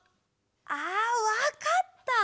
ああわかった！